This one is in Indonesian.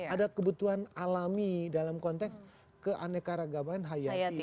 ada kebutuhan alami dalam konteks keanekaragaman hayati